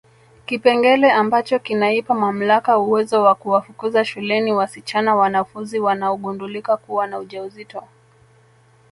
Kipengele ambacho kinaipa mamlaka uwezo wa kuwafukuza shuleni wasichana wanafunzi wanaogundulika kuwa na ujauzito